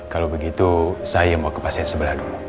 kalau begitu saya mau ke pasien sebelah dulu